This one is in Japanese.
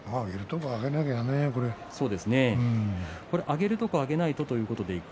上げるところは、上げないとね。